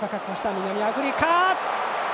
南アフリカ。